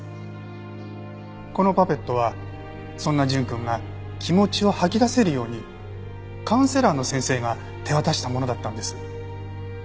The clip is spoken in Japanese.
このパペットはそんな純くんが気持ちを吐き出せるようにカウンセラーの先生が手渡したものだったんです。